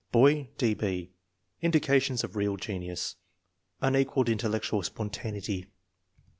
Boy: D. B. Indications of real genius. Unequaled intellectual spontaneity.